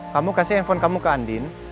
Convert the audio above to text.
kamu kasih handphone kamu ke andin